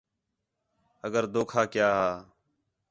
اگر دھوکا کیا ہا